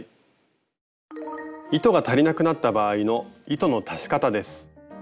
糸が足りなくなった場合の糸の足し方です。